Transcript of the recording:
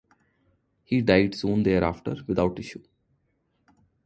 He died soon thereafter, without issue.